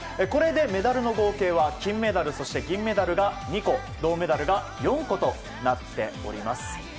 これでメダルの合計は金メダル、銀メダルが２個銅メダルが４個となっております。